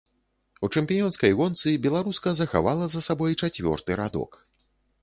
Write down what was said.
У чэмпіёнскай гонцы беларуска захавала за сабой чацвёрты радок.